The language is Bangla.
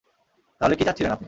তাহলে, কী চাচ্ছিলেন আপনি?